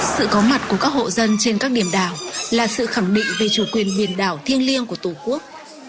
sự có mặt của các hộ dân trên các điểm đảo là sự khẳng định về chủ quyền biển đảo thiêng liêng của tổ quốc